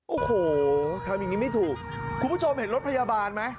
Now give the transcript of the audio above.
โอ้โหทำอย่างนี้ไม่ถูกคุณผู้ชมเห็นรถพยาบาลไหม